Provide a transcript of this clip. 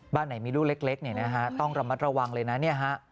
บ้านไหนมีลูกเล็กเนี่ยนะฮะต้องระมัดระวังเลยนะเนี่ยฮะ